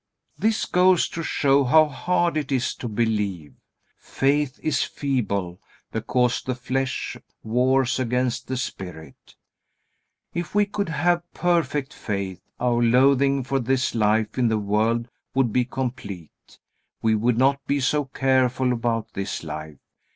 This goes to show how hard it is to believe. Faith is feeble, because the flesh wars against the spirit. If we could have perfect faith, our loathing for this life in the world would be complete. We would not be so careful about this life.